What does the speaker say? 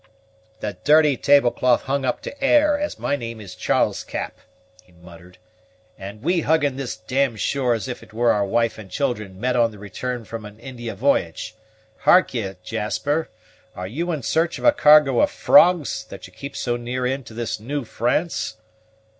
"The dirty tablecloth hung up to air, as my name is Charles Cap!" he muttered; "and we hugging this d d shore as if it were our wife and children met on the return from an India v'y'ge! Hark'e, Jasper, are you in search of a cargo of frogs, that you keep so near in to this New France?"